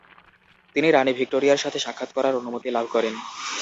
তিনি রানী ভিক্টোরিয়ার সাথে সাক্ষাৎ করার অনুমতি লাভ করেন ।